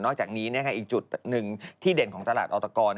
จากนี้อีกจุดหนึ่งที่เด่นของตลาดออตกร